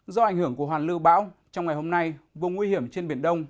do ảnh hưởng của hoàn lưu bão trong ngày hôm nay vùng nguy hiểm trên biển đông